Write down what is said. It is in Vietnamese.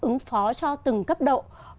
ứng phó cho từng cấp độ